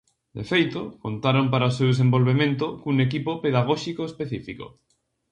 De feito, contaron para o seu desenvolvemento cun equipo pedagóxico específico.